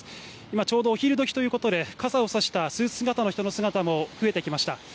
ちょうどお昼どきということで傘を差したスーツ姿の人の姿も増えてきました。